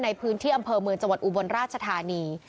ในพื้นที่อำเภอเมืองจังหวัดอุบลราชธานี